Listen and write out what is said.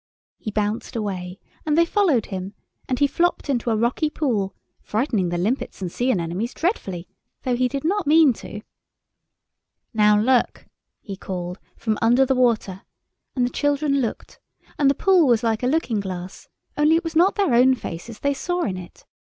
He bounced away, and they followed him, and he flopped into a rocky pool, frightening the limpets and sea anemones dreadfully, though he did not mean to. "Now look," he called from under the water, and the children looked, and the pool was like a looking glass, only it was not their own faces they saw in it.